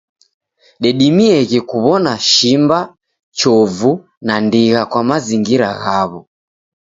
Dedimeghe kuwona shimba, chovu, na ndigha kwa mazingira ghawo.